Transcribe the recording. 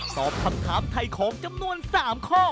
ตอบคำถามถ่ายของจำนวน๓ข้อ